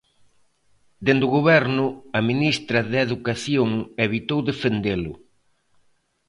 Dende o Goberno, a ministra de Educación evitou defendelo.